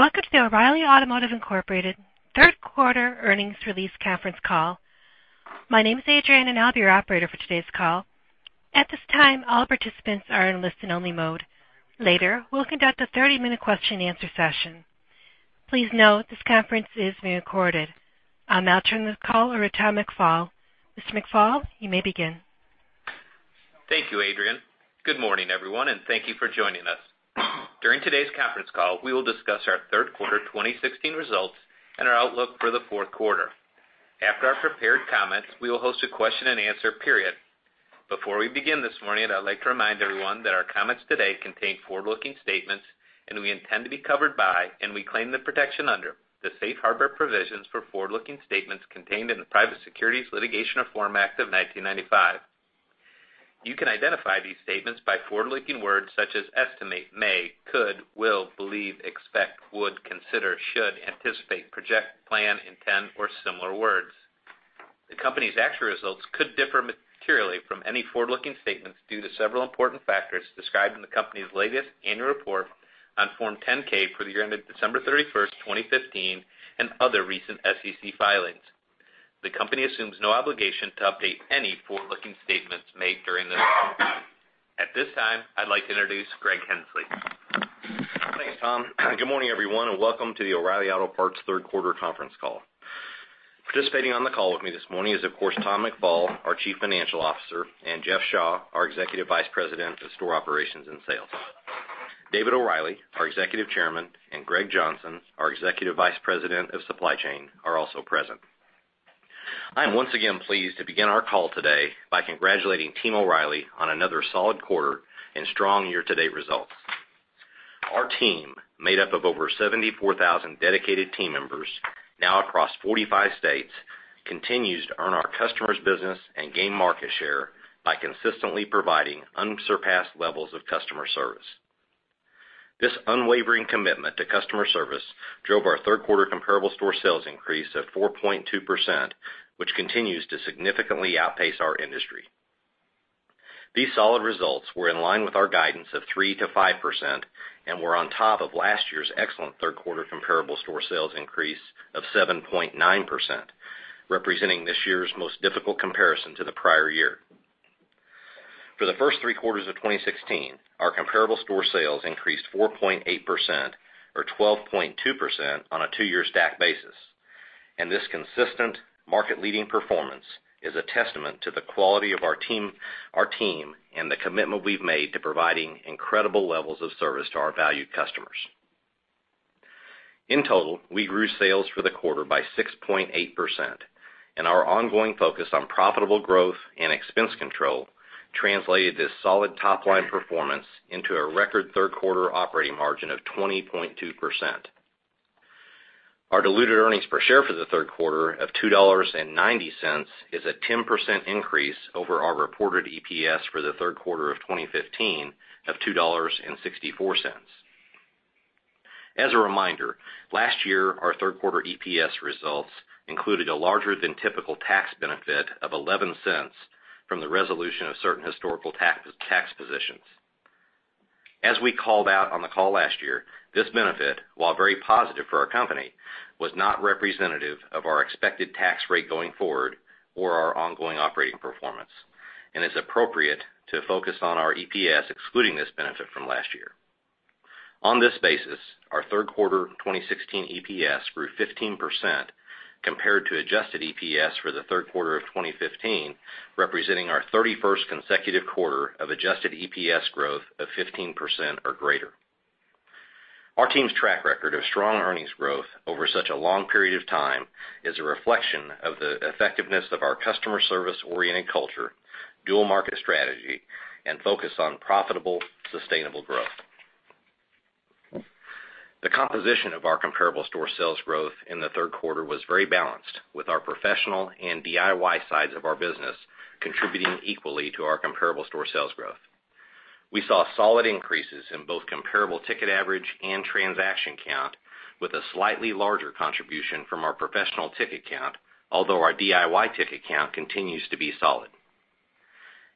Welcome to the O'Reilly Automotive Incorporated third quarter earnings release conference call. My name is Adrienne, and I'll be your operator for today's call. At this time, all participants are in listen-only mode. Later, we'll conduct a 30-minute question and answer session. Please note this conference is being recorded. I'll now turn the call over to Tom McFall. Mr. McFall, you may begin. Thank you, Adrienne. Good morning, everyone, and thank you for joining us. During today's conference call, we will discuss our third quarter 2016 results and our outlook for the fourth quarter. Before we begin this morning, I'd like to remind everyone that our comments today contain forward-looking statements and we intend to be covered by, and we claim the protection under, the safe harbor provisions for forward-looking statements contained in the Private Securities Litigation Reform Act of 1995. You can identify these statements by forward-looking words such as estimate, may, could, will, believe, expect, would, consider, should, anticipate, project, plan, intend, or similar words. The company's actual results could differ materially from any forward-looking statements due to several important factors described in the company's latest annual report on Form 10-K for the year ended December 31st, 2015, and other recent SEC filings. The company assumes no obligation to update any forward-looking statements made during this call. At this time, I'd like to introduce Greg Henslee. Thanks, Tom. Good morning, everyone, and welcome to the O'Reilly Auto Parts third quarter conference call. Participating on the call with me this morning is, of course, Tom McFall, our Chief Financial Officer, and Jeff Shaw, our Executive Vice President of Store Operations and Sales. David O'Reilly, our Executive Chairman, and Greg Johnson, our Executive Vice President of Supply Chain, are also present. I am once again pleased to begin our call today by congratulating Team O'Reilly on another solid quarter and strong year-to-date results. Our team, made up of over 74,000 dedicated team members, now across 45 states, continues to earn our customers business and gain market share by consistently providing unsurpassed levels of customer service. This unwavering commitment to customer service drove our third-quarter comparable store sales increase of 4.2%, which continues to significantly outpace our industry. These solid results were in line with our guidance of 3%-5% and were on top of last year's excellent third-quarter comparable store sales increase of 7.9%, representing this year's most difficult comparison to the prior year. For the first three quarters of 2016, our comparable store sales increased 4.8%, or 12.2% on a two-year stack basis. This consistent market-leading performance is a testament to the quality of our team and the commitment we've made to providing incredible levels of service to our valued customers. In total, we grew sales for the quarter by 6.8%, and our ongoing focus on profitable growth and expense control translated this solid top-line performance into a record third-quarter operating margin of 20.2%. Our diluted earnings per share for the third quarter of $2.90 is a 10% increase over our reported EPS for the third quarter of 2015 of $2.64. As a reminder, last year, our third quarter EPS results included a larger than typical tax benefit of $0.11 from the resolution of certain historical tax positions. As we called out on the call last year, this benefit, while very positive for our company, was not representative of our expected tax rate going forward or our ongoing operating performance and is appropriate to focus on our EPS excluding this benefit from last year. On this basis, our third quarter 2016 EPS grew 15% compared to adjusted EPS for the third quarter of 2015, representing our 31st consecutive quarter of adjusted EPS growth of 15% or greater. Our team's track record of strong earnings growth over such a long period of time is a reflection of the effectiveness of our customer service-oriented culture, dual market strategy, and focus on profitable, sustainable growth. The composition of our comparable store sales growth in the third quarter was very balanced, with our professional and DIY sides of our business contributing equally to our comparable store sales growth. We saw solid increases in both comparable ticket average and transaction count, with a slightly larger contribution from our professional ticket count, although our DIY ticket count continues to be solid.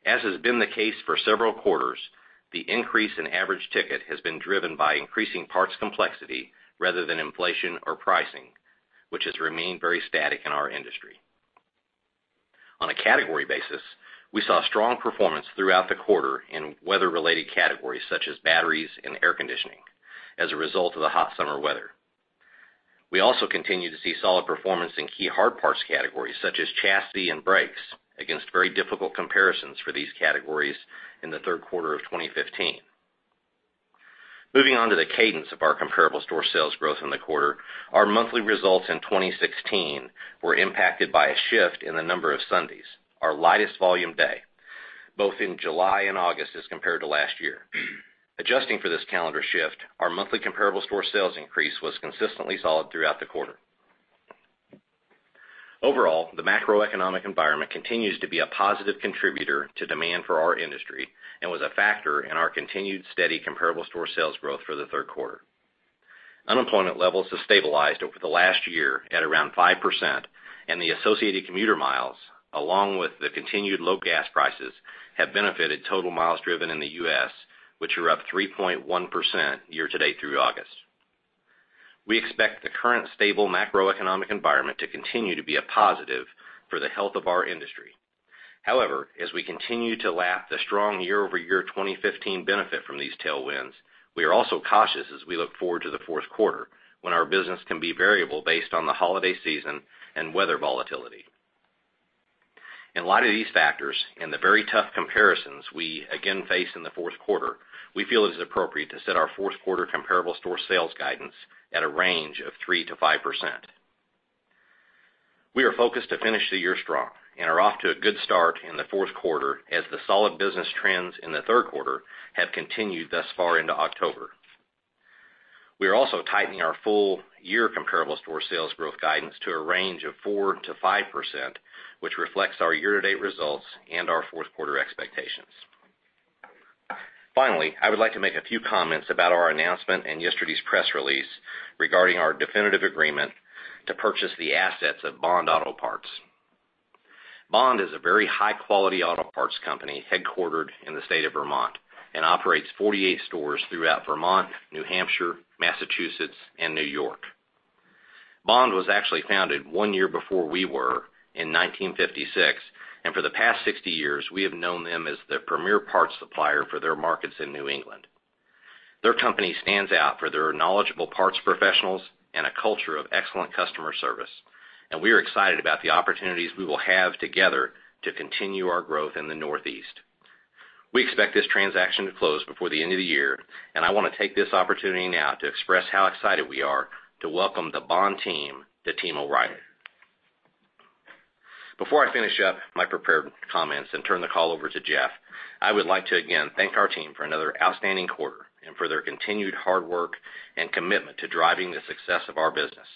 As has been the case for several quarters, the increase in average ticket has been driven by increasing parts complexity rather than inflation or pricing, which has remained very static in our industry. On a category basis, we saw strong performance throughout the quarter in weather-related categories such as batteries and air conditioning as a result of the hot summer weather. We also continue to see solid performance in key hard parts categories such as chassis and brakes against very difficult comparisons for these categories in the third quarter of 2015. Moving on to the cadence of our comparable store sales growth in the quarter, our monthly results in 2016 were impacted by a shift in the number of Sundays, our lightest volume day, both in July and August as compared to last year. Adjusting for this calendar shift, our monthly comparable store sales increase was consistently solid throughout the quarter. Overall, the macroeconomic environment continues to be a positive contributor to demand for our industry and was a factor in our continued steady comparable store sales growth for the third quarter. Unemployment levels have stabilized over the last year at around 5%. The associated commuter miles, along with the continued low gas prices, have benefited total miles driven in the U.S., which are up 3.1% year-to-date through August. We expect the current stable macroeconomic environment to continue to be a positive for the health of our industry. However, as we continue to lap the strong year-over-year 2015 benefit from these tailwinds, we are also cautious as we look forward to the fourth quarter, when our business can be variable based on the holiday season and weather volatility. In light of these factors and the very tough comparisons we again face in the fourth quarter, we feel it is appropriate to set our fourth quarter comparable store sales guidance at a range of 3%-5%. We are focused to finish the year strong and are off to a good start in the fourth quarter as the solid business trends in the third quarter have continued thus far into October. We are also tightening our full year comparable store sales growth guidance to a range of 4%-5%, which reflects our year-to-date results and our fourth quarter expectations. Finally, I would like to make a few comments about our announcement in yesterday's press release regarding our definitive agreement to purchase the assets of Bond Auto Parts. Bond is a very high-quality auto parts company headquartered in the state of Vermont and operates 48 stores throughout Vermont, New Hampshire, Massachusetts, and New York. Bond was actually founded one year before we were in 1956, and for the past 60 years, we have known them as the premier parts supplier for their markets in New England. Their company stands out for their knowledgeable parts professionals and a culture of excellent customer service, and we are excited about the opportunities we will have together to continue our growth in the Northeast. We expect this transaction to close before the end of the year, and I want to take this opportunity now to express how excited we are to welcome the Bond team to Team O’Reilly. Before I finish up my prepared comments and turn the call over to Jeff, I would like to again thank our team for another outstanding quarter and for their continued hard work and commitment to driving the success of our business.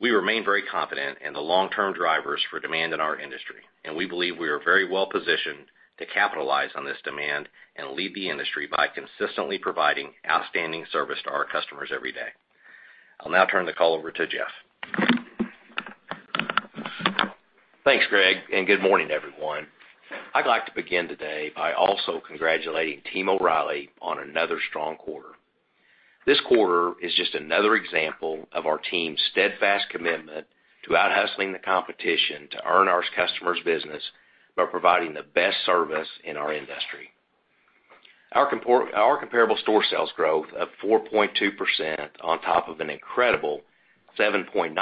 We remain very confident in the long-term drivers for demand in our industry, and we believe we are very well positioned to capitalize on this demand and lead the industry by consistently providing outstanding service to our customers every day. I'll now turn the call over to Jeff. Thanks, Greg, and good morning, everyone. I'd like to begin today by also congratulating Team O’Reilly on another strong quarter. This quarter is just another example of our team's steadfast commitment to out-hustling the competition to earn our customers' business by providing the best service in our industry. Our comparable store sales growth of 4.2% on top of an incredible 7.9%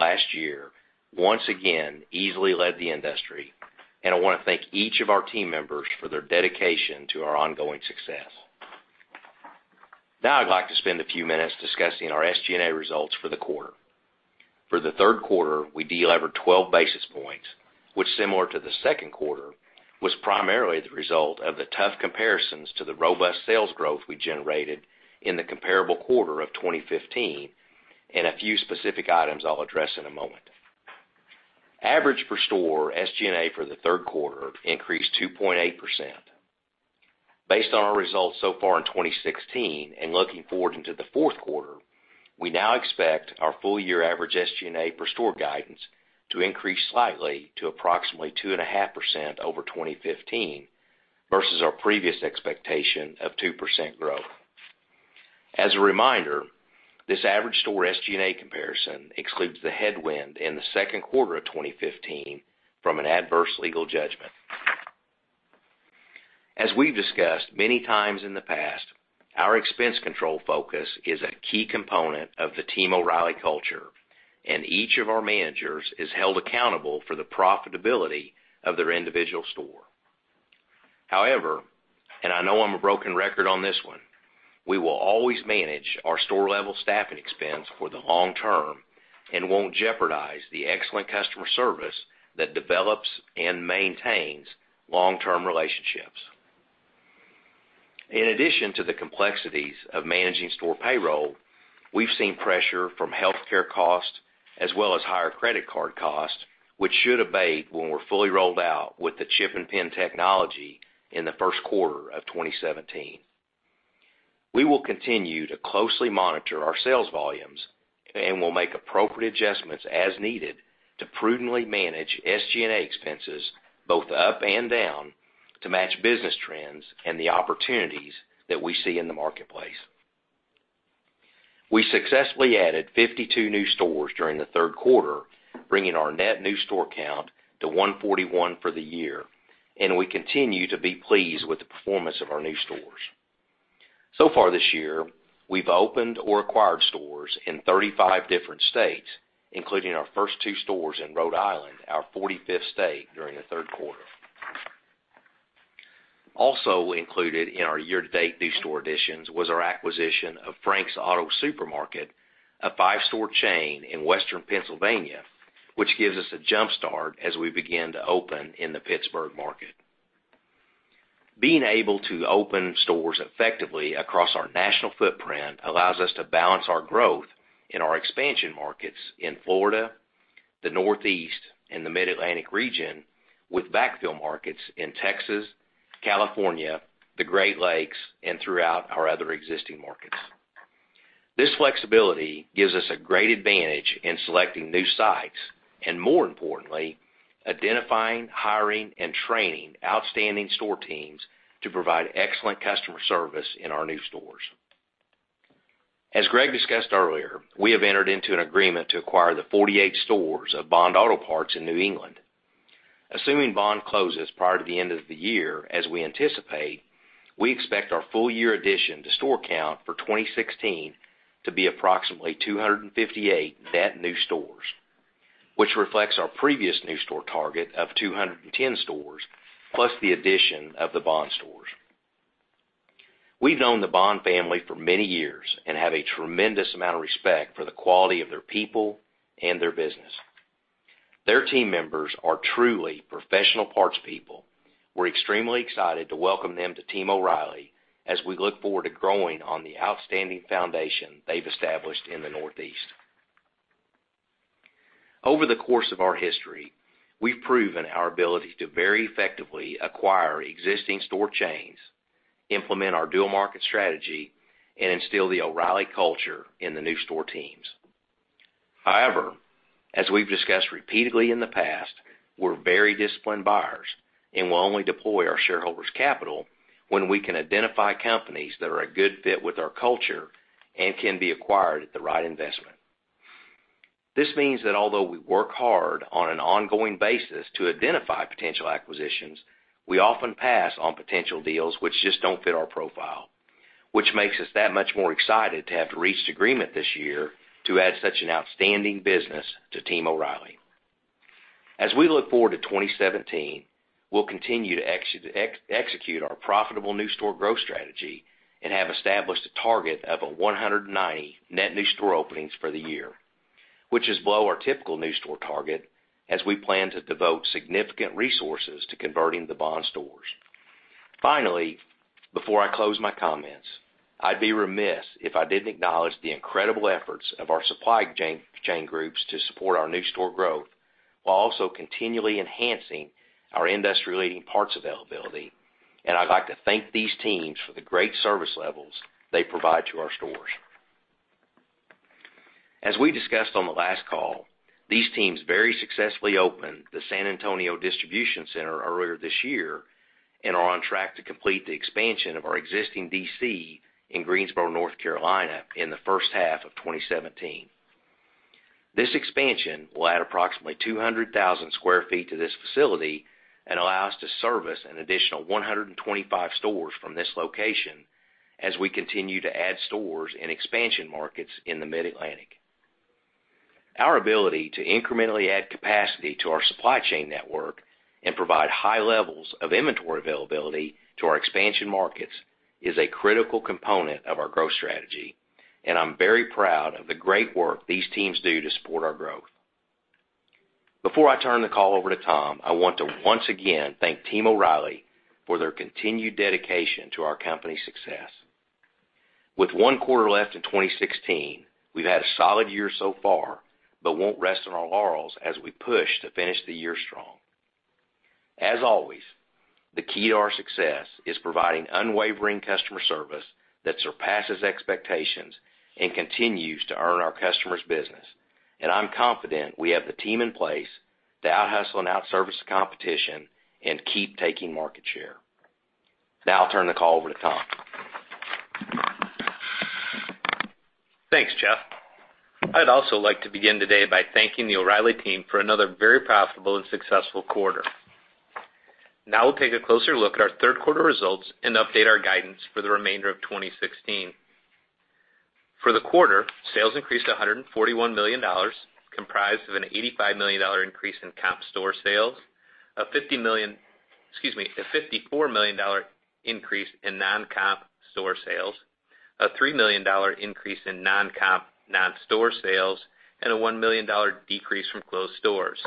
last year once again easily led the industry, and I want to thank each of our team members for their dedication to our ongoing success. Now I'd like to spend a few minutes discussing our SG&A results for the quarter. For the third quarter, I delevered 12 basis points, which similar to the second quarter, was primarily the result of the tough comparisons to the robust sales growth we generated in the comparable quarter of 2015 and a few specific items I'll address in a moment. Average per store SG&A for the third quarter increased 2.8%. Based on our results so far in 2016 and looking forward into the fourth quarter, we now expect our full-year average SG&A per store guidance to increase slightly to approximately 2.5% over 2015 versus our previous expectation of 2% growth. As a reminder, this average store SG&A comparison excludes the headwind in the second quarter of 2015 from an adverse legal judgment. As we've discussed many times in the past, our expense control focus is a key component of the Team O’Reilly culture, and each of our managers is held accountable for the profitability of their individual store. However, I know I'm a broken record on this one, we will always manage our store-level staffing expense for the long term and won't jeopardize the excellent customer service that develops and maintains long-term relationships. In addition to the complexities of managing store payroll, we've seen pressure from healthcare costs as well as higher credit card costs, which should abate when we're fully rolled out with the chip and PIN technology in the first quarter of 2017. We will continue to closely monitor our sales volumes and will make appropriate adjustments as needed to prudently manage SG&A expenses, both up and down, to match business trends and the opportunities that we see in the marketplace. We successfully added 52 new stores during the third quarter, bringing our net new store count to 141 for the year, and we continue to be pleased with the performance of our new stores. This year, we've opened or acquired stores in 35 different states, including our first two stores in Rhode Island, our 45th state, during the third quarter. Also included in our year-to-date new store additions was our acquisition of Frank's Auto Supermarket, a five-store chain in Western Pennsylvania, which gives us a jumpstart as we begin to open in the Pittsburgh market. Being able to open stores effectively across our national footprint allows us to balance our growth in our expansion markets in Florida, the Northeast, and the Mid-Atlantic region, with backfill markets in Texas, California, the Great Lakes, and throughout our other existing markets. This flexibility gives us a great advantage in selecting new sites, and more importantly, identifying, hiring, and training outstanding store teams to provide excellent customer service in our new stores. As Greg discussed earlier, we have entered into an agreement to acquire the 48 stores of Bond Auto Parts in New England. Assuming Bond closes prior to the end of the year, as we anticipate, we expect our full year addition to store count for 2016 to be approximately 258 net new stores, which reflects our previous new store target of 210 stores, plus the addition of the Bond stores. We've known the Bond family for many years and have a tremendous amount of respect for the quality of their people and their business. Their team members are truly professional parts people. We're extremely excited to welcome them to Team O’Reilly, as we look forward to growing on the outstanding foundation they've established in the Northeast. Over the course of our history, we've proven our ability to very effectively acquire existing store chains, implement our dual market strategy, and instill the O’Reilly culture in the new store teams. As we've discussed repeatedly in the past, we're very disciplined buyers and will only deploy our shareholders' capital when we can identify companies that are a good fit with our culture and can be acquired at the right investment. Although we work hard on an ongoing basis to identify potential acquisitions, we often pass on potential deals which just don't fit our profile, which makes us that much more excited to have reached agreement this year to add such an outstanding business to Team O’Reilly. As we look forward to 2017, we'll continue to execute our profitable new store growth strategy and have established a target of 190 net new store openings for the year, which is below our typical new store target, as we plan to devote significant resources to converting the Bond stores. Before I close my comments, I'd be remiss if I didn't acknowledge the incredible efforts of our supply chain groups to support our new store growth, while also continually enhancing our industry-leading parts availability. I'd like to thank these teams for the great service levels they provide to our stores. As we discussed on the last call, these teams very successfully opened the San Antonio distribution center earlier this year and are on track to complete the expansion of our existing DC in Greensboro, North Carolina in the first half of 2017. This expansion will add approximately 200,000 sq ft to this facility and allow us to service an additional 125 stores from this location as we continue to add stores in expansion markets in the Mid-Atlantic. Our ability to incrementally add capacity to our supply chain network and provide high levels of inventory availability to our expansion markets is a critical component of our growth strategy. I'm very proud of the great work these teams do to support our growth. Before I turn the call over to Tom, I want to once again thank Team O’Reilly for their continued dedication to our company's success. With one quarter left in 2016, we've had a solid year so far, but won't rest on our laurels as we push to finish the year strong. As always, the key to our success is providing unwavering customer service that surpasses expectations and continues to earn our customers' business. I'm confident we have the team in place to out-hustle and out-service the competition and keep taking market share. Now I'll turn the call over to Tom. Thanks, Jeff. I'd also like to begin today by thanking the O'Reilly team for another very profitable and successful quarter. We'll take a closer look at our third quarter results and update our guidance for the remainder of 2016. For the quarter, sales increased to $141 million, comprised of an $85 million increase in comp store sales, a $54 million increase in non-comp store sales, a $3 million increase in non-comp non-store sales, and a $1 million decrease from closed stores.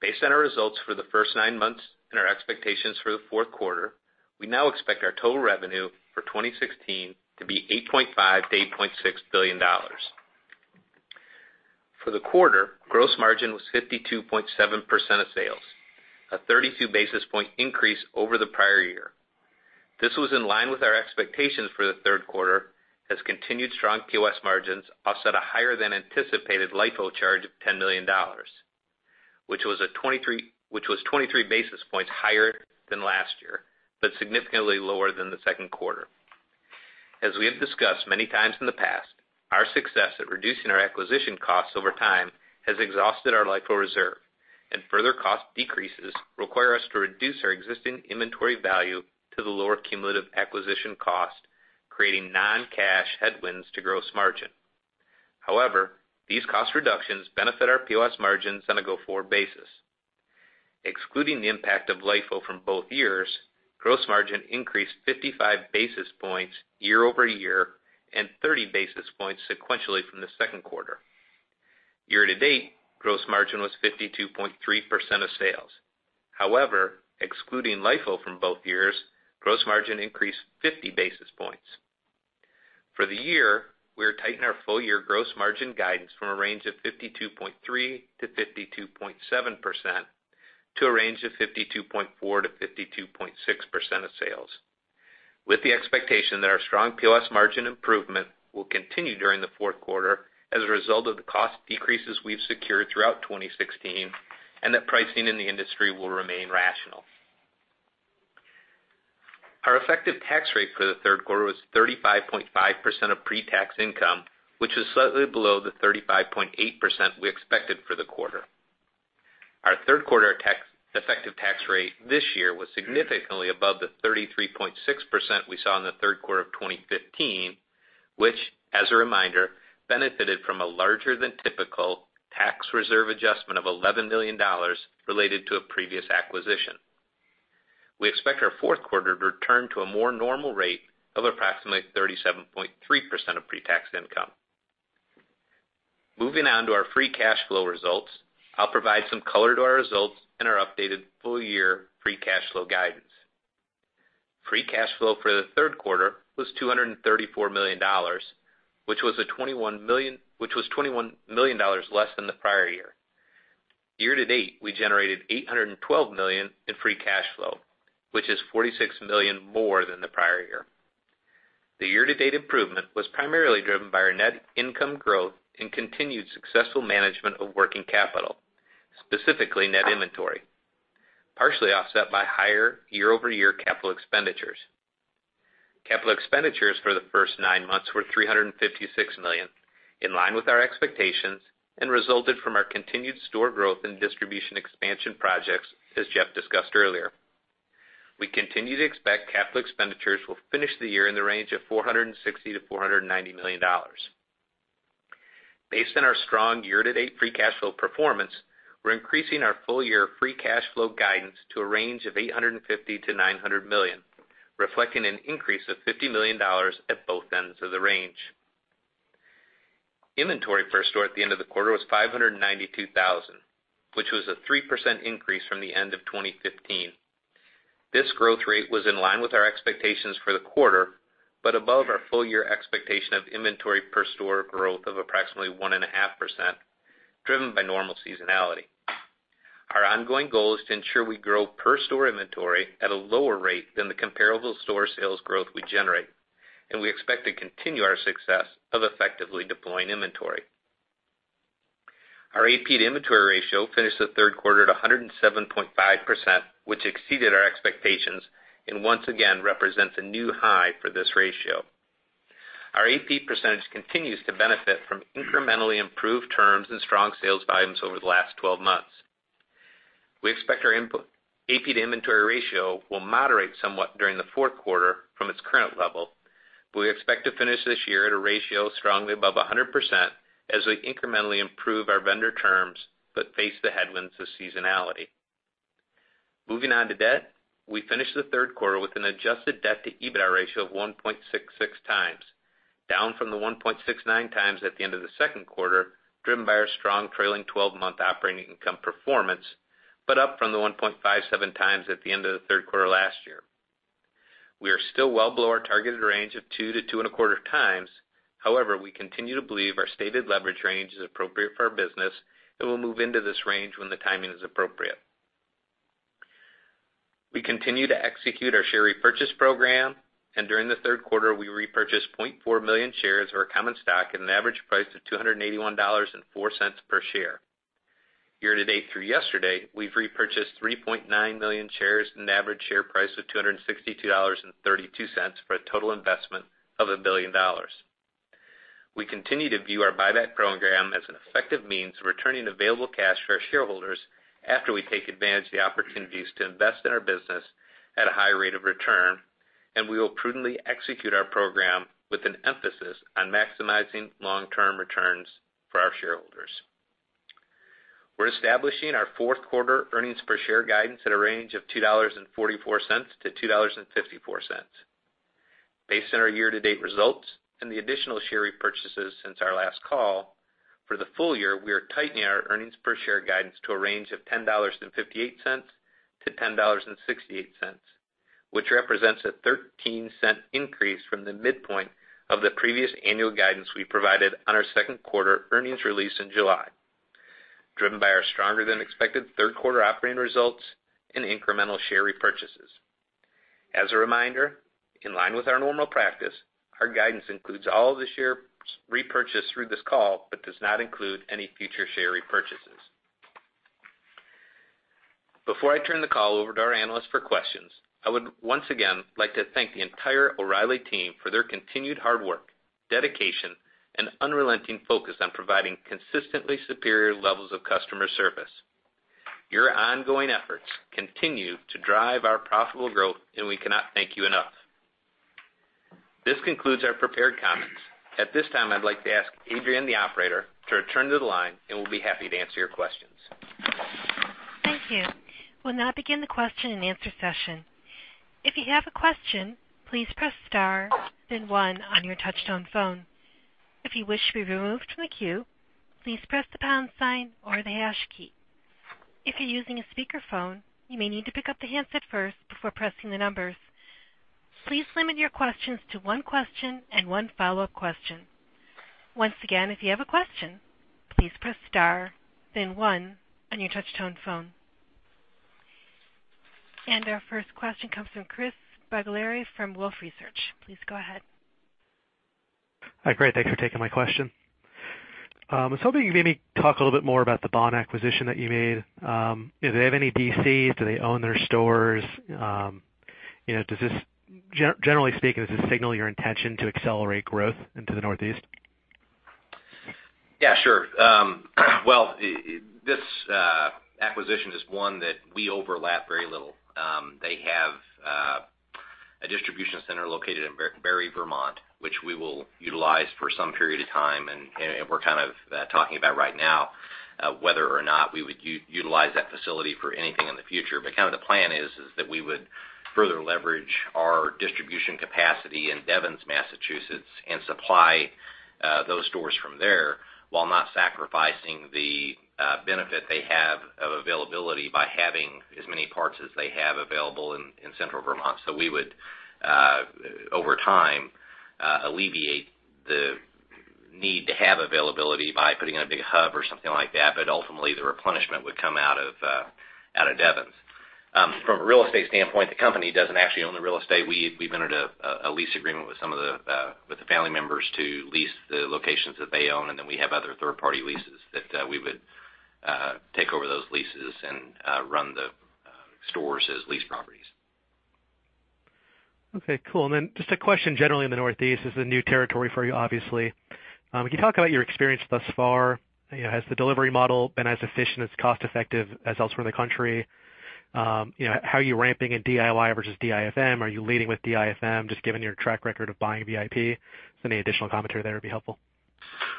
Based on our results for the first nine months and our expectations for the fourth quarter, we now expect our total revenue for 2016 to be $8.5 billion-$8.6 billion. For the quarter, gross margin was 52.7% of sales, a 32 basis point increase over the prior year. This was in line with our expectations for the third quarter as continued strong POS margins offset a higher than anticipated LIFO charge of $10 million, which was 23 basis points higher than last year, but significantly lower than the second quarter. As we have discussed many times in the past, our success at reducing our acquisition costs over time has exhausted our LIFO reserve, and further cost decreases require us to reduce our existing inventory value to the lower cumulative acquisition cost, creating non-cash headwinds to gross margin. However, these cost reductions benefit our POS margins on a go-forward basis. Excluding the impact of LIFO from both years, gross margin increased 55 basis points year-over-year and 30 basis points sequentially from the second quarter. Year-to-date, gross margin was 52.3% of sales. However, excluding LIFO from both years, gross margin increased 50 basis points. We are tightening our full-year gross margin guidance from a range of 52.3%-52.7% to a range of 52.4%-52.6% of sales, with the expectation that our strong POS margin improvement will continue during the fourth quarter as a result of the cost decreases we've secured throughout 2016, and that pricing in the industry will remain rational. Our effective tax rate for the third quarter was 35.5% of pre-tax income, which was slightly below the 35.8% we expected for the quarter. Our third quarter effective tax rate this year was significantly above the 33.6% we saw in the third quarter of 2015, which, as a reminder, benefited from a larger than typical tax reserve adjustment of $11 million related to a previous acquisition. We expect our fourth quarter to return to a more normal rate of approximately 37.3% of pre-tax income. Moving on to our free cash flow results, I'll provide some color to our results and our updated full-year free cash flow guidance. Free cash flow for the third quarter was $234 million, which was $21 million less than the prior year. Year-to-date, we generated $812 million in free cash flow, which is $46 million more than the prior year. The year-to-date improvement was primarily driven by our net income growth and continued successful management of working capital, specifically net inventory, partially offset by higher year-over-year capital expenditures. Capital expenditures for the first nine months were $356 million, in line with our expectations, and resulted from our continued store growth and distribution expansion projects, as Jeff discussed earlier. We continue to expect capital expenditures will finish the year in the range of $460 million-$490 million. Based on our strong year-to-date free cash flow performance, we're increasing our full-year free cash flow guidance to a range of $850 million-$900 million, reflecting an increase of $50 million at both ends of the range. Inventory per store at the end of the quarter was 592,000, which was a 3% increase from the end of 2015. This growth rate was in line with our expectations for the quarter, above our full-year expectation of inventory per store growth of approximately 1.5%, driven by normal seasonality. Our ongoing goal is to ensure we grow per store inventory at a lower rate than the comparable store sales growth we generate, and we expect to continue our success of effectively deploying inventory. Our AP to inventory ratio finished the third quarter at 107.5%, which exceeded our expectations and once again represents a new high for this ratio. Our AP percentage continues to benefit from incrementally improved terms and strong sales volumes over the last 12 months. We expect our AP to inventory ratio will moderate somewhat during the fourth quarter from its current level. We expect to finish this year at a ratio strongly above 100% as we incrementally improve our vendor terms, face the headwinds of seasonality. Moving on to debt. We finished the third quarter with an adjusted debt to EBITDA ratio of 1.66 times, down from the 1.69 times at the end of the second quarter, driven by our strong trailing 12-month operating income performance, up from the 1.57 times at the end of the third quarter last year. We are still well below our targeted range of 2-2.25 times. We continue to believe our stated leverage range is appropriate for our business and will move into this range when the timing is appropriate. We continue to execute our share repurchase program, during the third quarter, we repurchased 0.4 million shares of our common stock at an average price of $281.04 per share. Year to date through yesterday, we've repurchased 3.9 million shares at an average share price of $262.32 for a total investment of $1 billion. We continue to view our buyback program as an effective means of returning available cash to our shareholders after we take advantage of the opportunities to invest in our business at a high rate of return, we will prudently execute our program with an emphasis on maximizing long-term returns for our shareholders. We're establishing our fourth quarter EPS guidance at a range of $2.44-$2.54. Based on our year-to-date results and the additional share repurchases since our last call, for the full year, we are tightening our EPS guidance to a range of $10.58-$10.68, which represents a $0.13 increase from the midpoint of the previous annual guidance we provided on our second quarter earnings release in July, driven by our stronger than expected third quarter operating results and incremental share repurchases. As a reminder, in line with our normal practice, our guidance includes all the share repurchase through this call does not include any future share repurchases. Before I turn the call over to our analyst for questions, I would once again like to thank the entire O'Reilly team for their continued hard work, dedication, and unrelenting focus on providing consistently superior levels of customer service. Your ongoing efforts continue to drive our profitable growth, and we cannot thank you enough. This concludes our prepared comments. At this time, I'd like to ask Adrienne, the operator, to return to the line, and we'll be happy to answer your questions. Thank you. We'll now begin the question and answer session. If you have a question, please press star then one on your touch-tone phone. If you wish to be removed from the queue, please press the pound sign or the hash key. If you're using a speakerphone, you may need to pick up the handset first before pressing the numbers. Please limit your questions to one question and one follow-up question. Once again, if you have a question, please press star, then one on your touch-tone phone. Our first question comes from Chris Bottiglieri from Wolfe Research. Please go ahead. Hi. Great. Thanks for taking my question. I was hoping you could maybe talk a little bit more about the Bond acquisition that you made. Do they have any DCs? Do they own their stores? Generally speaking, does this signal your intention to accelerate growth into the Northeast? Yeah, sure. Well, this acquisition is one that we overlap very little. They have a distribution center located in Barre, Vermont, which we will utilize for some period of time. We're kind of talking about right now whether or not we would utilize that facility for anything in the future. The plan is that we would further leverage our distribution capacity in Devens, Massachusetts, and supply those stores from there, while not sacrificing the benefit they have of availability by having as many parts as they have available in Central Vermont. We would, over time, alleviate the need to have availability by putting in a big hub or something like that, but ultimately the replenishment would come out of Devens. From a real estate standpoint, the company doesn't actually own the real estate. We've entered a lease agreement with some of the family members to lease the locations that they own, and then we have other third-party leases that we would take over those leases and run the stores as lease properties. Okay, cool. Just a question, generally in the Northeast, this is a new territory for you, obviously. Can you talk about your experience thus far? Has the delivery model been as efficient, as cost-effective as elsewhere in the country? How are you ramping in DIY versus DIFM? Are you leading with DIFM, just given your track record of buying VIP? Just any additional commentary there would be helpful.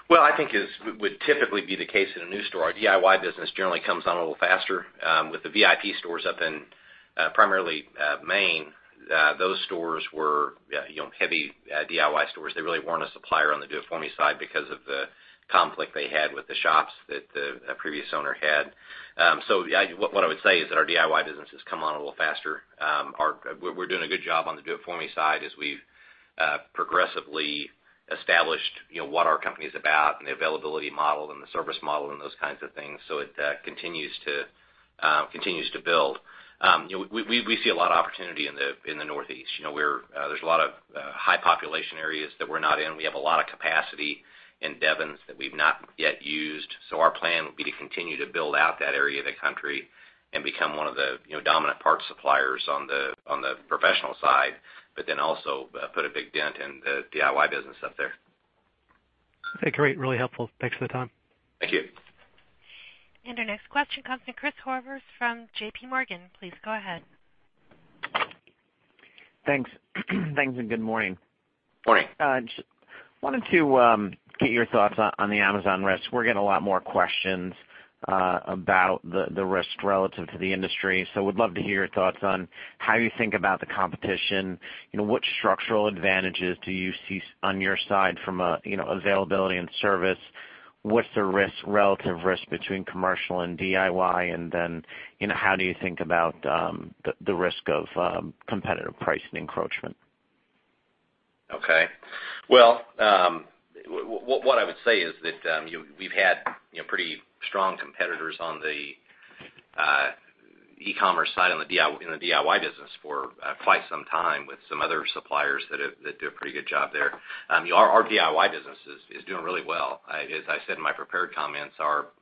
Well, I think as would typically be the case in a new store, our DIY business generally comes on a little faster. With the VIP stores up in primarily Maine, those stores were heavy DIY stores. They really weren't a supplier on the Do-It-For-Me side because of the conflict they had with the shops that the previous owner had. What I would say is that our DIY business has come on a little faster. We're doing a good job on the Do-It-For-Me side as we've progressively established what our company is about and the availability model and the service model and those kinds of things. It continues to build. We see a lot of opportunity in the Northeast. There's a lot of high population areas that we're not in. We have a lot of capacity in Devens that we've not yet used. Our plan will be to continue to build out that area of the country and become one of the dominant parts suppliers on the professional side, but then also put a big dent in the DIY business up there. Okay, great. Really helpful. Thanks for the time. Thank you. Our next question comes from Chris Horvers from JPMorgan. Please go ahead. Thanks. Good morning. Morning. Just wanted to get your thoughts on the Amazon risk. We're getting a lot more questions about the risk relative to the industry. Would love to hear your thoughts on how you think about the competition. What structural advantages do you see on your side from availability and service? What's the relative risk between commercial and DIY? How do you think about the risk of competitive pricing encroachment? Okay. What I would say is that we've had pretty strong competitors on the e-commerce side in the DIY business for quite some time, with some other suppliers that do a pretty good job there. Our DIY business is doing really well. As I said in my prepared comments,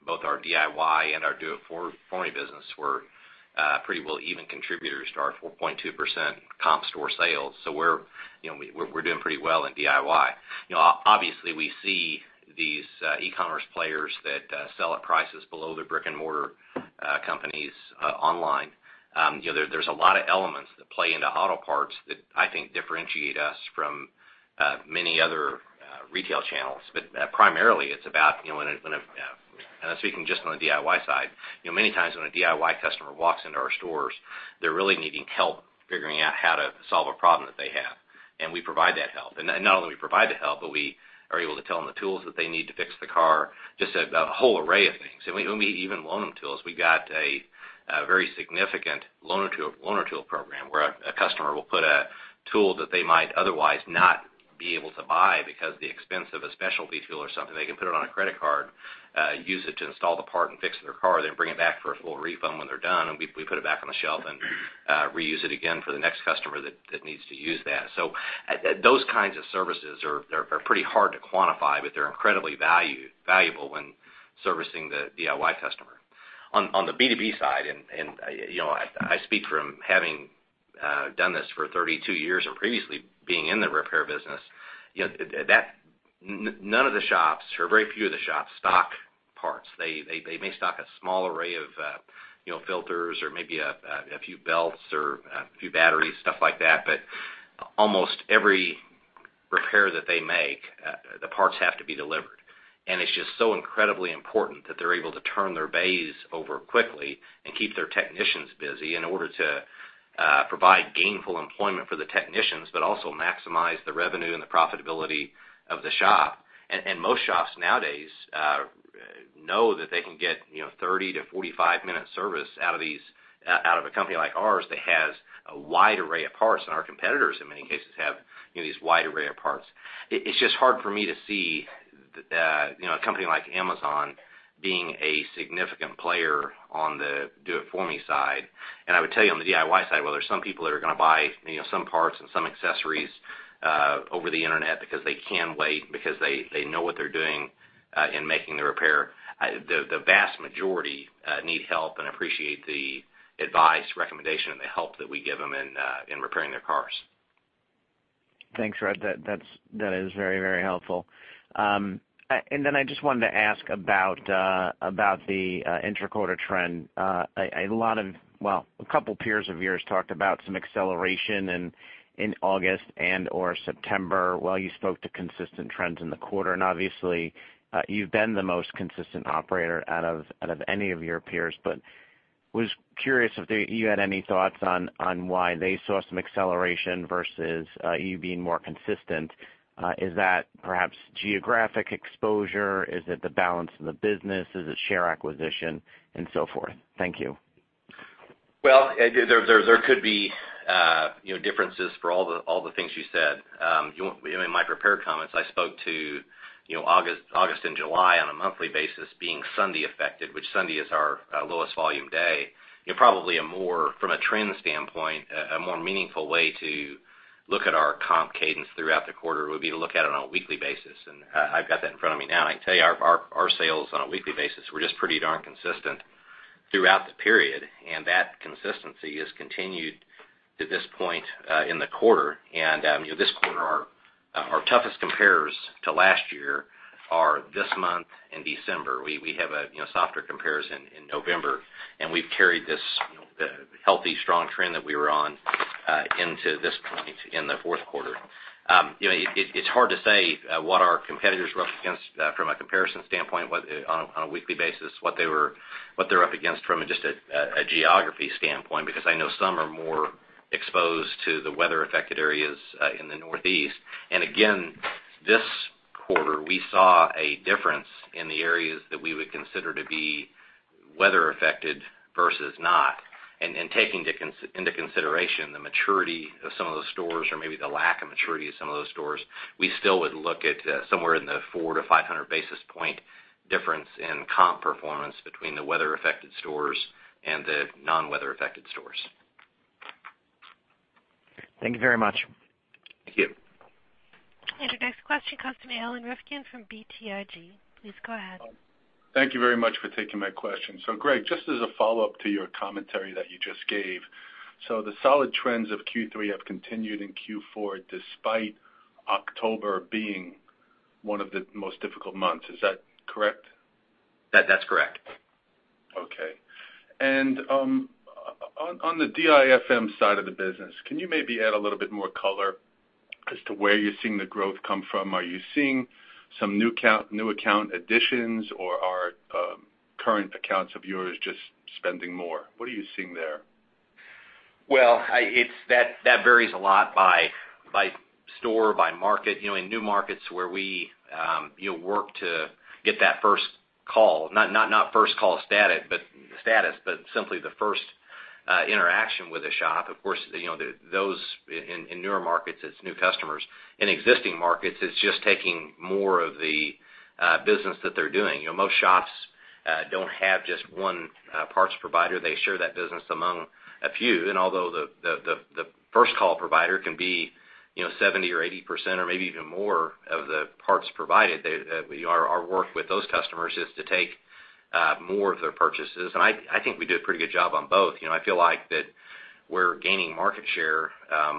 both our DIY and our Do-It-For-Me business were pretty well even contributors to our 4.2% comp store sales. We're doing pretty well in DIY. Obviously, we see these e-commerce players that sell at prices below the brick-and-mortar companies online. There's a lot of elements that play into auto parts that I think differentiate us from many other retail channels. Primarily it's about, and I'm speaking just on the DIY side, many times when a DIY customer walks into our stores, they're really needing help figuring out how to solve a problem that they have, and we provide that help. Not only do we provide the help, but we are able to tell them the tools that they need to fix the car, just a whole array of things. We even loan them tools. We've got a very significant loaner tool program where a customer will put a tool that they might otherwise not be able to buy because the expense of a specialty tool or something, they can put it on a credit card, use it to install the part and fix their car, then bring it back for a full refund when they're done, and we put it back on the shelf and reuse it again for the next customer that needs to use that. Those kinds of services are pretty hard to quantify, but they're incredibly valuable when servicing the DIY customer. On the B2B side, I speak from having done this for 32 years or previously being in the repair business, none of the shops, or very few of the shops, stock parts. They may stock a small array of filters or maybe a few belts or a few batteries, stuff like that, but almost every repair that they make, the parts have to be delivered. It's just so incredibly important that they're able to turn their bays over quickly and keep their technicians busy in order to provide gainful employment for the technicians, but also maximize the revenue and the profitability of the shop. Most shops nowadays know that they can get 30 to 45-minute service out of a company like ours that has a wide array of parts, and our competitors, in many cases have these wide array of parts. It's just hard for me to see a company like Amazon being a significant player on the Do-It-For-Me side. I would tell you on the DIY side, while there's some people that are going to buy some parts and some accessories over the internet because they can wait, because they know what they're doing in making the repair, the vast majority need help and appreciate the advice, recommendation, and the help that we give them in repairing their cars. Thanks, Russ. That is very helpful. Then I just wanted to ask about the inter-quarter trend. A couple peers of yours talked about some acceleration in August and/or September, while you spoke to consistent trends in the quarter, and obviously you've been the most consistent operator out of any of your peers, was curious if you had any thoughts on why they saw some acceleration versus you being more consistent. Is that perhaps geographic exposure? Is it the balance of the business? Is it share acquisition, and so forth? Thank you. Well, there could be differences for all the things you said. In my prepared comments, I spoke to August and July on a monthly basis being Sunday affected, which Sunday is our lowest volume day. Probably from a trend standpoint, a more meaningful way to look at our comp cadence throughout the quarter would be to look at it on a weekly basis, I've got that in front of me now. I can tell you our sales on a weekly basis were just pretty darn consistent throughout the period, that consistency has continued to this point in the quarter. This quarter, our toughest compares to last year are this month and December. We have a softer comparison in November, we've carried this healthy, strong trend that we were on into this point in the fourth quarter. It's hard to say what our competitors were up against from a comparison standpoint on a weekly basis, what they're up against from just a geography standpoint, because I know some are more exposed to the weather-affected areas in the Northeast. Again, this quarter, we saw a difference in the areas that we would consider to be weather affected versus not. Taking into consideration the maturity of some of those stores or maybe the lack of maturity of some of those stores, we still would look at somewhere in the 400-500 basis point difference in comp performance between the weather affected stores and the non-weather affected stores. Thank you very much. Thank you. Your next question comes from Alan Rifkin from BTIG. Please go ahead. Thank you very much for taking my question. Greg, just as a follow-up to your commentary that you just gave, the solid trends of Q3 have continued in Q4 despite October being one of the most difficult months. Is that correct? That's correct. Okay. On the DIFM side of the business, can you maybe add a little bit more color as to where you're seeing the growth come from? Are you seeing some new account additions, or are current accounts of yours just spending more? What are you seeing there? Well, that varies a lot by store, by market. In new markets where we work to get that first call, not first call status, but simply the first interaction with a shop, of course, those in newer markets, it's new customers. In existing markets, it's just taking more of the business that they're doing. Most shops don't have just one parts provider. They share that business among a few. Although the first call provider can be 70% or 80% or maybe even more of the parts provided, our work with those customers is to take more of their purchases. I think we do a pretty good job on both. I feel like that we're gaining market share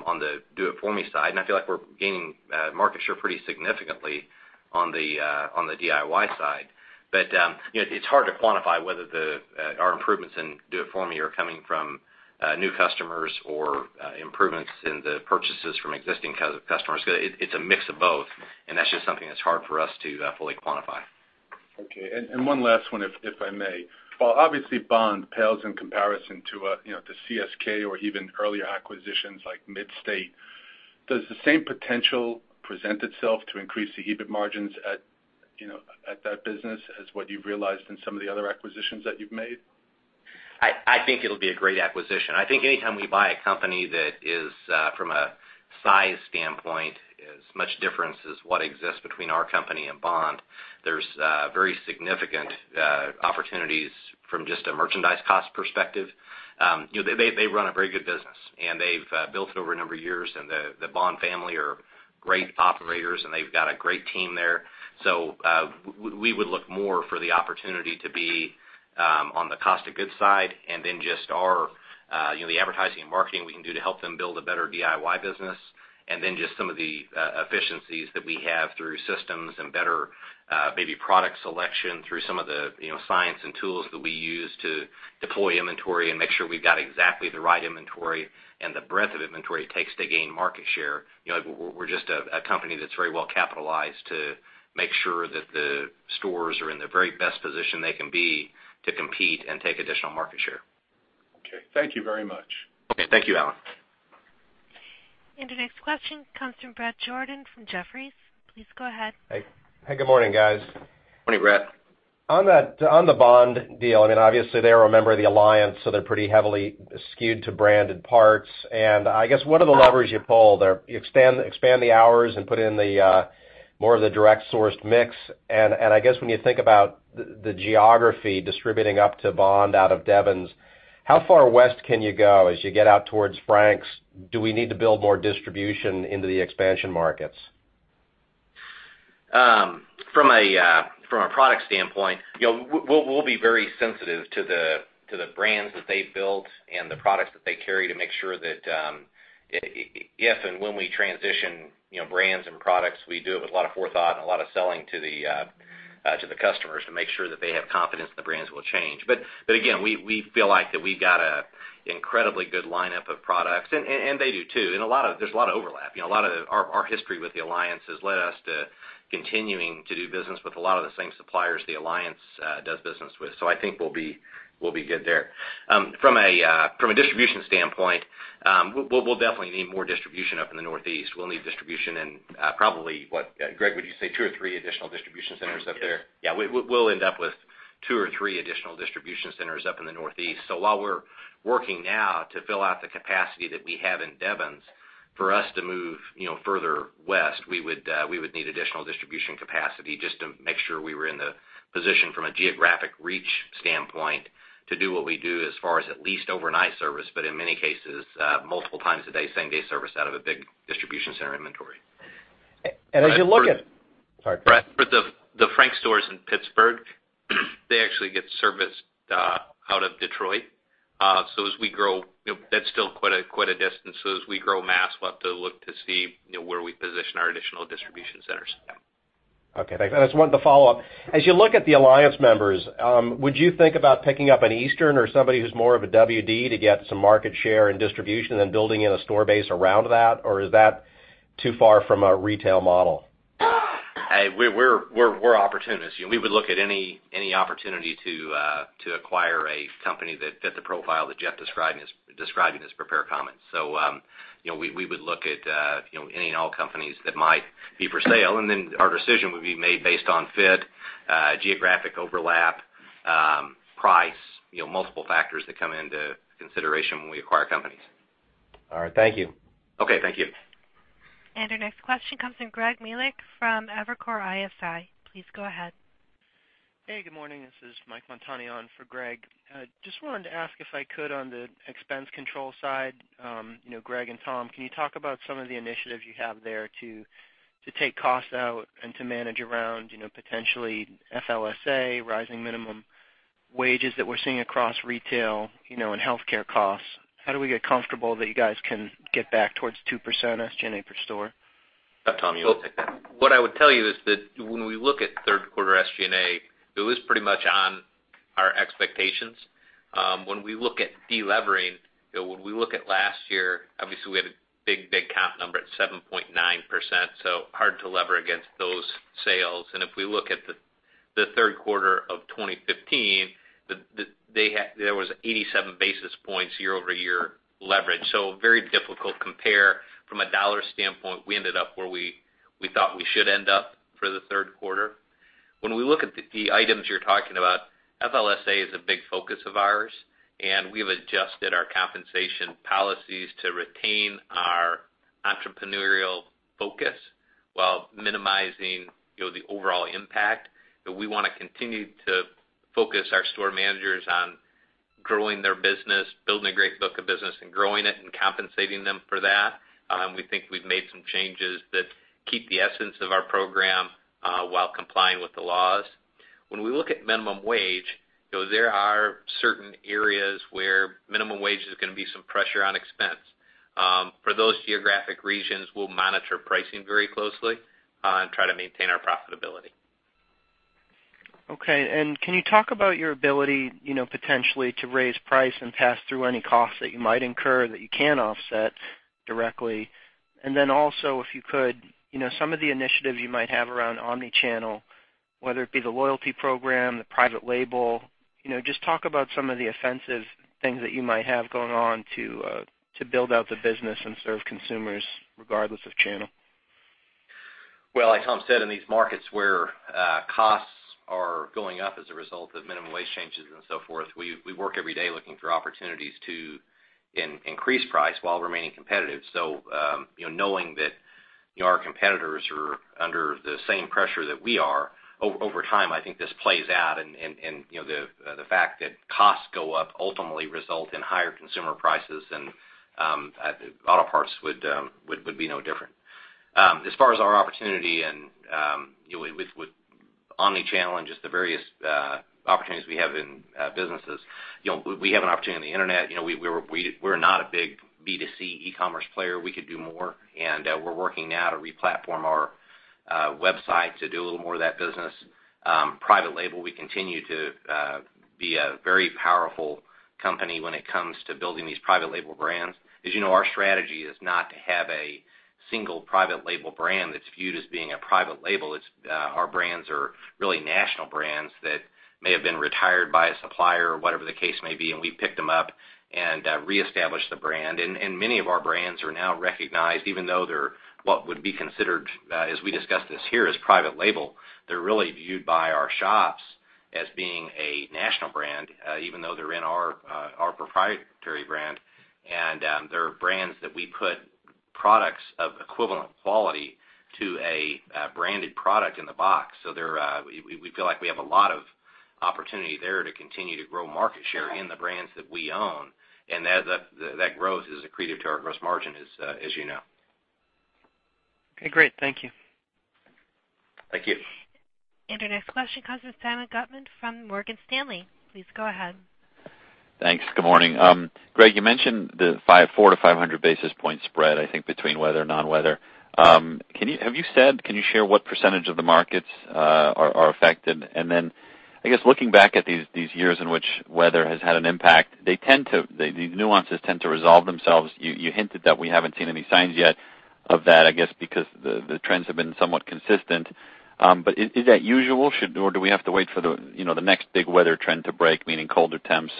on the Do-It-For-Me side, and I feel like we're gaining market share pretty significantly on the DIY side. It's hard to quantify whether our improvements in Do-It-For-Me are coming from new customers or improvements in the purchases from existing customers. It's a mix of both, and that's just something that's hard for us to fully quantify. Okay, one last one, if I may. While obviously Bond pales in comparison to CSK or even earlier acquisitions like Mid-State, does the same potential present itself to increase the EBIT margins at that business as what you've realized in some of the other acquisitions that you've made? I think it'll be a great acquisition. I think anytime we buy a company that is from a size standpoint, as much difference as what exists between our company and Bond, there's very significant opportunities from just a merchandise cost perspective. They run a very good business, and they've built it over a number of years, and the Bond family are great operators, and they've got a great team there. We would look more for the opportunity to be on the cost of goods side and then just the advertising and marketing we can do to help them build a better DIY business, and then just some of the efficiencies that we have through systems and better maybe product selection through some of the science and tools that we use to deploy inventory and make sure we've got exactly the right inventory and the breadth of inventory it takes to gain market share. We're just a company that's very well capitalized to make sure that the stores are in the very best position they can be to compete and take additional market share. Okay. Thank you very much. Okay. Thank you, Alan. The next question comes from Bret Jordan from Jefferies. Please go ahead. Hey, good morning, guys. Good morning, Bret. On the Bond deal, obviously they're a member of the Alliance, so they're pretty heavily skewed to branded parts. What are the levers you pull there? You expand the hours and put in more of the direct sourced mix. When you think about the geography distributing up to Bond out of Devens, how far west can you go as you get out towards Frank's? Do we need to build more distribution into the expansion markets? From a product standpoint, we'll be very sensitive to the brands that they've built and the products that they carry to make sure that if and when we transition brands and products, we do it with a lot of forethought and a lot of selling to the customers to make sure that they have confidence the brands will change. Again, we feel like that we've got an incredibly good lineup of products, and they do too. There's a lot of overlap. A lot of our history with the Alliance has led us to continuing to do business with a lot of the same suppliers the Alliance does business with. I think we'll be good there. From a distribution standpoint, we'll definitely need more distribution up in the Northeast. We'll need distribution in probably, what, Greg, would you say two or three additional distribution centers up there? Yes. Yeah, we'll end up with two or three additional distribution centers up in the Northeast. While we're working now to fill out the capacity that we have in Devens, for us to move further west, we would need additional distribution capacity just to make sure we were in the position from a geographic reach standpoint to do what we do as far as at least overnight service, but in many cases, multiple times a day, same-day service out of a big distribution center inventory. Sorry. Bret, the Frank stores in Pittsburgh, they actually get serviced out of Detroit. That's still quite a distance, so as we grow mass, we'll have to look to see where we position our additional distribution centers. Okay, thanks. I just wanted to follow up. As you look at the Alliance members, would you think about picking up an Eastern or somebody who's more of a WD to get some market share and distribution and building in a store base around that? Or is that too far from a retail model? Hey, we're opportunists. We would look at any opportunity to acquire a company that fit the profile that Jeff described in his prepared comments. We would look at any and all companies that might be for sale, and then our decision would be made based on fit, geographic overlap, price, multiple factors that come into consideration when we acquire companies. All right. Thank you. Okay. Thank you. Our next question comes from Greg Melich from Evercore ISI. Please go ahead. Hey, good morning. This is Mike Montanian for Greg. Just wanted to ask, if I could, on the expense control side, Greg and Tom, can you talk about some of the initiatives you have there to take costs out and to manage around potentially FLSA, rising minimum wages that we're seeing across retail, and healthcare costs? How do we get comfortable that you guys can get back towards 2% SG&A per store? Tom, you want to take that? What I would tell you is that when we look at third quarter SG&A, it was pretty much on our expectations. When we look at delevering, when we look at last year, obviously we had a big comp number at 7.9%, so hard to lever against those sales. If we look at the third quarter of 2015, there was 87 basis points year-over-year leverage. Very difficult compare from a dollar standpoint. We ended up where we thought we should end up for the third quarter. When we look at the items you're talking about, FLSA is a big focus of ours, and we've adjusted our compensation policies to retain our entrepreneurial focus while minimizing the overall impact, that we want to continue to focus our store managers on growing their business, building a great book of business, and growing it and compensating them for that. We think we've made some changes that keep the essence of our program, while complying with the laws. When we look at minimum wage, there are certain areas where minimum wage is going to be some pressure on expense. For those geographic regions, we'll monitor pricing very closely and try to maintain our profitability. Okay. Can you talk about your ability, potentially to raise price and pass through any costs that you might incur that you can offset directly? Then also, if you could, some of the initiatives you might have around omni-channel, whether it be the loyalty program, the private label, just talk about some of the offensive things that you might have going on to build out the business and serve consumers regardless of channel. Well, like Tom said, in these markets where costs are going up as a result of minimum wage changes and so forth, we work every day looking for opportunities to increase price while remaining competitive. Knowing that our competitors are under the same pressure that we are, over time, I think this plays out and the fact that costs go up ultimately result in higher consumer prices and auto parts would be no different. As far as our opportunity and with omni-channel and just the various opportunities we have in businesses, we have an opportunity on the internet. We're not a big B2C e-commerce player. We could do more, and we're working now to re-platform our website to do a little more of that business. Private label, we continue to be a very powerful company when it comes to building these private label brands. As you know, our strategy is not to have a single private label brand that's viewed as being a private label. Our brands are really national brands that may have been retired by a supplier, whatever the case may be, and we pick them up and reestablish the brand. Many of our brands are now recognized, even though they're what would be considered, as we discussed this here, as private label. They're really viewed by our shops as being a national brand, even though they're in our proprietary brand. They're brands that we put products of equivalent quality to a branded product in the box. We feel like we have a lot of opportunity there to continue to grow market share in the brands that we own. As that grows, it is accretive to our gross margin, as you know. Okay, great. Thank you. Thank you. Our next question comes with Simeon Gutman from Morgan Stanley. Please go ahead. Thanks. Good morning. Greg, you mentioned the 400 to 500 basis point spread, I think, between weather and non-weather. Can you share what % of the markets are affected? Then, I guess, looking back at these years in which weather has had an impact, these nuances tend to resolve themselves. You hinted that we haven't seen any signs yet of that, I guess, because the trends have been somewhat consistent. Is that usual or do we have to wait for the next big weather trend to break, meaning colder temps?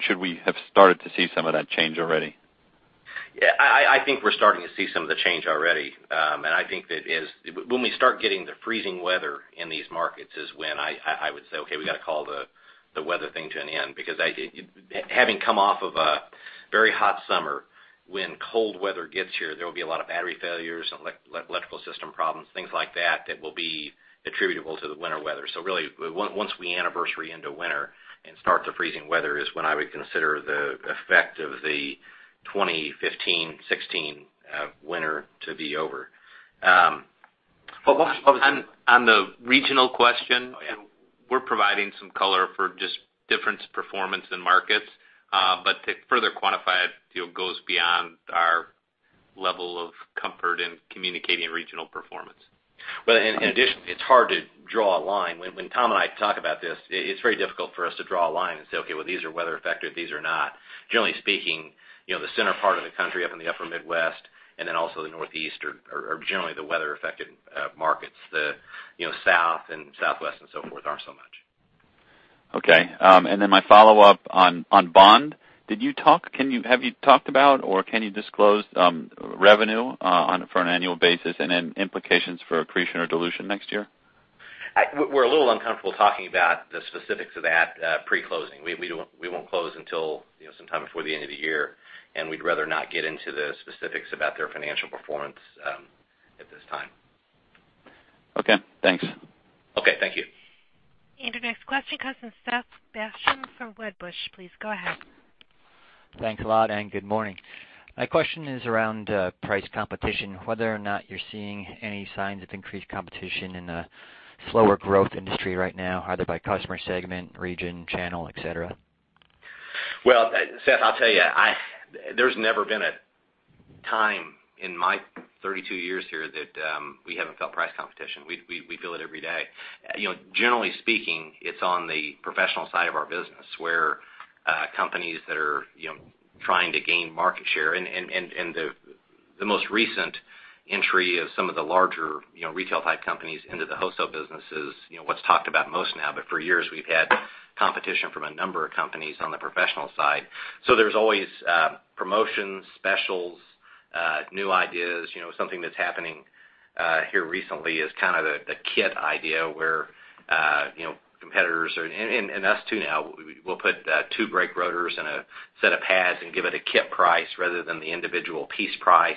Should we have started to see some of that change already? Yeah, I think we're starting to see some of the change already. I think that when we start getting the freezing weather in these markets is when I would say, "Okay, we got to call the weather thing to an end." Because having come off of a very hot summer, when cold weather gets here, there will be a lot of battery failures and electrical system problems, things like that will be attributable to the winter weather. Really, once we anniversary into winter and start the freezing weather is when I would consider the effect of the 2015-16 winter to be over. what On the regional question. Oh, yeah. we're providing some color for just different performance in markets. To further quantify it goes beyond our level of comfort in communicating regional performance. In addition, it's hard to draw a line. When Tom and I talk about this, it's very difficult for us to draw a line and say, "Okay, well, these are weather affected, these are not." Generally speaking, the center part of the country, up in the upper Midwest, and then also the Northeast are generally the weather-affected markets. The South and Southwest and so forth aren't so much. Okay. Then my follow-up on Bond. Have you talked about or can you disclose revenue for an annual basis and then implications for accretion or dilution next year? We're a little uncomfortable talking about the specifics of that pre-closing. We won't close until sometime before the end of the year, and we'd rather not get into the specifics about their financial performance at this time. Okay, thanks. Okay. Thank you. Our next question comes from Seth Basham from Wedbush. Please go ahead. Thanks a lot, and good morning. My question is around price competition, whether or not you're seeing any signs of increased competition in a slower growth industry right now, either by customer segment, region, channel, et cetera. Well, Seth, I'll tell you, there's never been a time in my 32 years here that we haven't felt price competition. We feel it every day. Generally speaking, it's on the professional side of our business where companies that are trying to gain market share and the most recent entry of some of the larger retail type companies into the wholesale business is what's talked about most now. For years, we've had competition from a number of companies on the professional side. There's always promotions, specials, new ideas. Something that's happening here recently is kind of the kit idea where competitors are, and us too now, we'll put two brake rotors and a set of pads and give it a kit price rather than the individual piece price.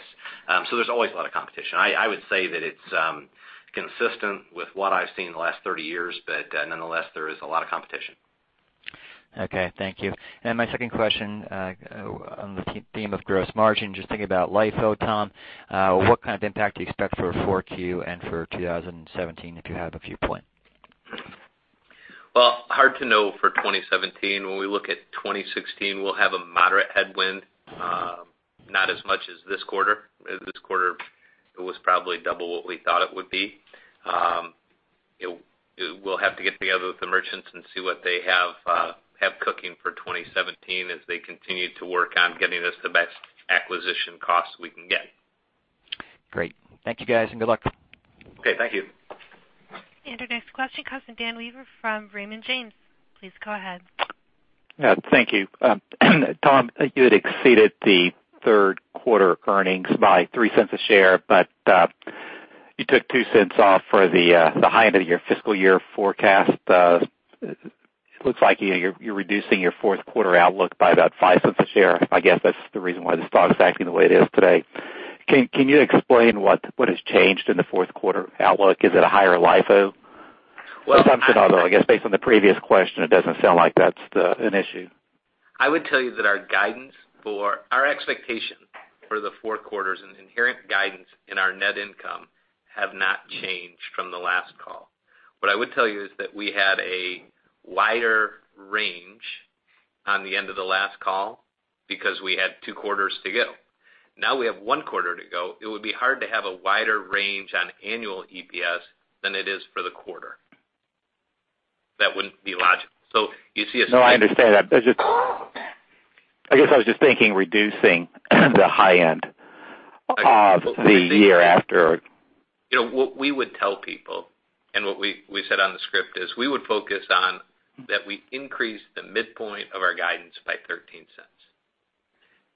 There's always a lot of competition. I would say that it's consistent with what I've seen in the last 30 years, but nonetheless, there is a lot of competition. Okay, thank you. My second question, on the theme of gross margin, just thinking about LIFO, Tom, what kind of impact do you expect for 4Q and for 2017, if you have a viewpoint? Well, hard to know for 2017. When we look at 2016, we'll have a moderate headwind, not as much as this quarter. This quarter was probably double what we thought it would be. We'll have to get together with the merchants and see what they have cooking for 2017 as they continue to work on getting us the best acquisition costs we can get. Great. Thank you guys, and good luck. Okay, thank you. Our next question comes from Dan Wewer from Raymond James. Please go ahead. Yeah, thank you. Tom, you had exceeded the third quarter earnings by $0.03 a share, but you took $0.02 off for the high end of your fiscal year forecast. Looks like you're reducing your fourth quarter outlook by about $0.05 a share. I guess that's the reason why the stock's acting the way it is today. Can you explain what has changed in the fourth quarter outlook? Is it a higher LIFO assumption? Although, I guess based on the previous question, it doesn't sound like that's an issue. I would tell you that our guidance for our expectation for the fourth quarter's inherent guidance in our net income have not changed from the last call. What I would tell you is that we had a wider range on the end of the last call because we had two quarters to go. Now we have one quarter to go. It would be hard to have a wider range on annual EPS than it is for the quarter. That wouldn't be logical. No, I understand that. I guess I was just thinking, reducing the high end of the year after. What we would tell people, what we said on the script is, we would focus on that we increased the midpoint of our guidance by $0.13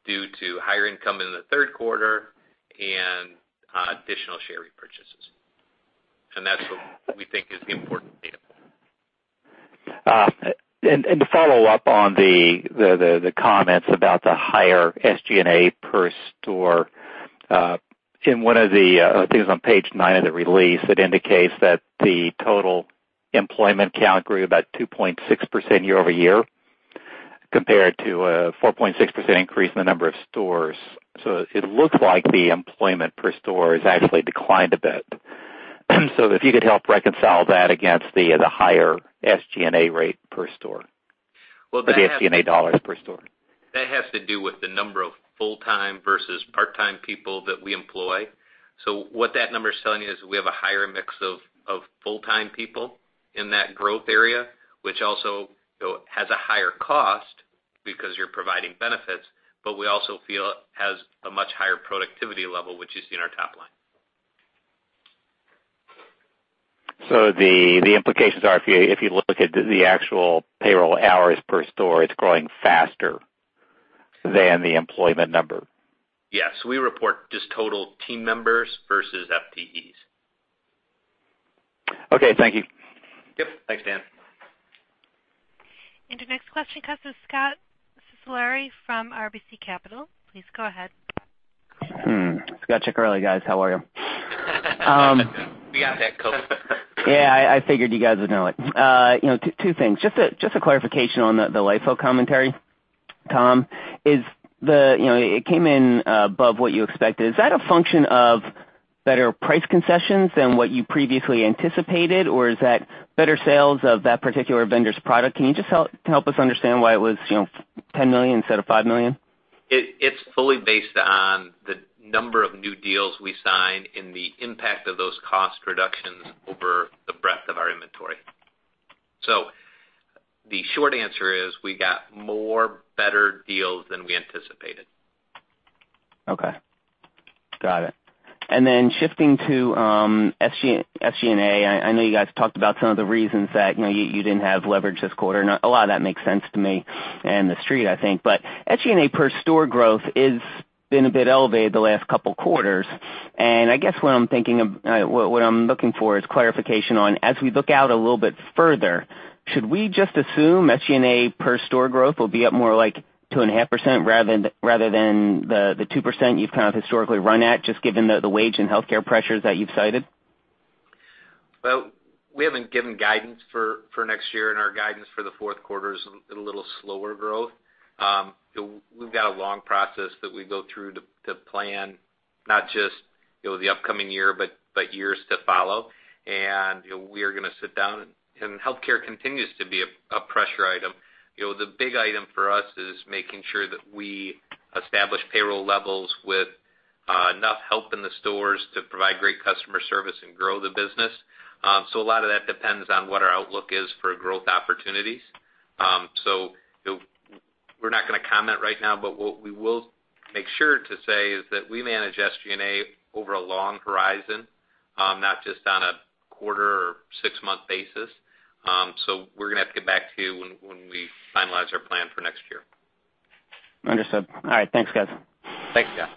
due to higher income in the third quarter and additional share repurchases. That's what we think is the important data point. To follow up on the comments about the higher SG&A per store. I think it was on page nine of the release, it indicates that the total employment count grew about 2.6% year-over-year compared to a 4.6% increase in the number of stores. It looks like the employment per store has actually declined a bit. If you could help reconcile that against the higher SG&A rate per store. Well, The SG&A dollars per store. That has to do with the number of full-time versus part-time people that we employ. What that number's telling you is we have a higher mix of full-time people in that growth area, which also has a higher cost because you're providing benefits. We also feel has a much higher productivity level, which you see in our top line. The implications are, if you look at the actual payroll hours per store, it's growing faster than the employment number. Yes. We report just total team members versus FTEs. Okay. Thank you. Yep. Thanks, Dan. Our next question comes with Scot Ciccarelli from RBC Capital. Please go ahead. Scot Ciccarelli, guys. How are you? We got that, Scot. Yeah, I figured you guys would know it. Two things. Just a clarification on the LIFO commentary, Tom. It came in above what you expected. Is that a function of better price concessions than what you previously anticipated, or is that better sales of that particular vendor's product? Can you just help us understand why it was $10 million instead of $5 million? It's fully based on the number of new deals we signed and the impact of those cost reductions over the breadth of our inventory. The short answer is, we got more better deals than we anticipated. Okay. Got it. Shifting to SG&A. I know you guys talked about some of the reasons that you didn't have leverage this quarter, and a lot of that makes sense to me and the street, I think. SG&A per store growth has been a bit elevated the last couple of quarters. I guess what I'm looking for is clarification on, as we look out a little bit further, should we just assume SG&A per store growth will be up more like 2.5% rather than the 2% you've historically run at, just given the wage and healthcare pressures that you've cited? Well, we haven't given guidance for next year, and our guidance for the fourth quarter is a little slower growth. We've got a long process that we go through to plan not just the upcoming year, but years to follow. We are going to sit down, and healthcare continues to be a pressure item. The big item for us is making sure that we establish payroll levels with enough help in the stores to provide great customer service and grow the business. A lot of that depends on what our outlook is for growth opportunities. We're not going to comment right now, but what we will make sure to say is that we manage SG&A over a long horizon, not just on a quarter or six-month basis. We're going to have to get back to you when we finalize our plan for next year. Understood. All right. Thanks, guys. Thanks, Scot.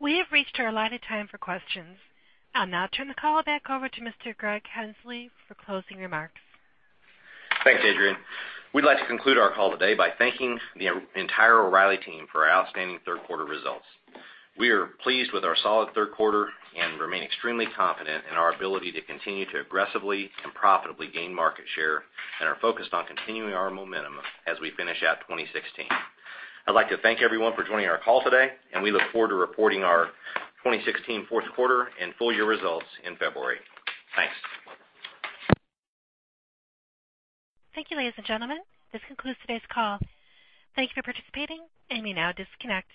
We have reached our allotted time for questions. I'll now turn the call back over to Mr. Greg Henslee for closing remarks. Thanks, Adrienne. We'd like to conclude our call today by thanking the entire O’Reilly team for our outstanding third quarter results. We are pleased with our solid third quarter and remain extremely confident in our ability to continue to aggressively and profitably gain market share, and are focused on continuing our momentum as we finish out 2016. I'd like to thank everyone for joining our call today, and we look forward to reporting our 2016 fourth quarter and full-year results in February. Thanks. Thank you, ladies and gentlemen. This concludes today's call. Thank you for participating. You may now disconnect.